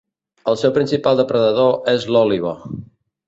El seu principal depredador és l'òliba.